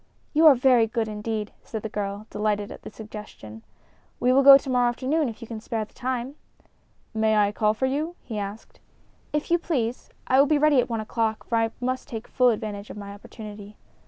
"You are very good, indeed," said the girl, delighted at the suggestion. "We will go to morrow afternoon, if you can spare the time." "May I call for you?" he asked. "If you please. I will be ready at one o'clock, for I must take full advantage of my opportunity."